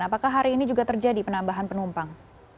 apakah hari ini juga terjadi penambahan penumpang